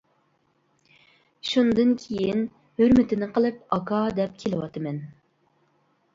شۇندىن كېيىن ھۆرمىتىنى قىلىپ ئاكا دەپ كېلىۋاتىمەن.